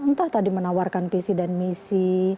entah tadi menawarkan visi dan misi